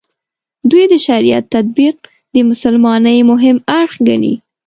دوی د شریعت تطبیق د مسلمانۍ مهم اړخ ګڼي.